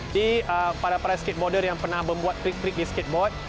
di para price skateboarder yang pernah membuat trik trik di skateboard